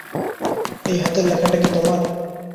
এই হাতের লেখাটা কি তোমার?